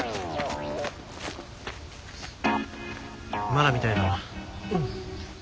まだみたいだな。